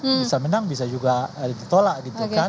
bisa menang bisa juga ditolak gitu kan